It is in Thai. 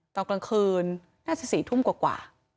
ตอนกลางคืนน่าจะ๔ทุ่มกว่า